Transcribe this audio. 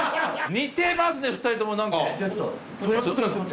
似てますね２人ともなんか。